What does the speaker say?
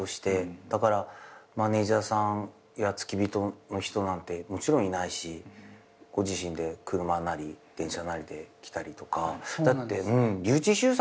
だからマネジャーさんや付き人の人なんてもちろんいないしご自身で車なり電車なりで来たりとか。だって笠智衆さんですら電車で来てたよ。